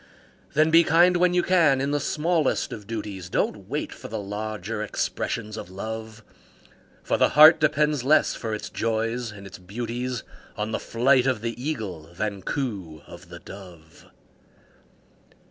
Then be kind when you can in the smallest of duties, Don't wait for the larger expressions of Love; For the heart depends less for its joys and its beauties On the flight of the Eagle than coo of the Dove.